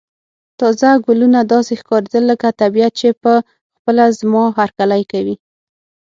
تازه ګلونه داسې ښکاریدل لکه طبیعت چې په خپله زما هرکلی کوي.